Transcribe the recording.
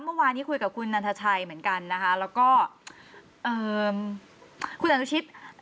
เมื่อวานนี้คุยกับคุณนันทชัยเหมือนกันนะคะแล้วก็เอ่อคุณอนุชิต